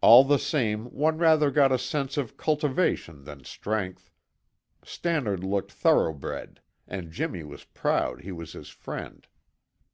All the same, one rather got a sense of cultivation than strength; Stannard looked thoroughbred, and Jimmy was proud he was his friend.